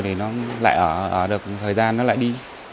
thì nó lại ở được thời gian nó lại đi